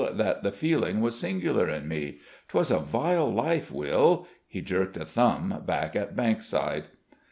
that the feeling was singular in me. 'Twas a vile life, Will." He jerked a thumb back at Bankside.